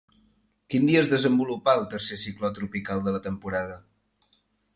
Quin dia es desenvolupà el tercer cicló tropical de la temporada?